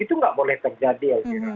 itu tidak boleh terjadi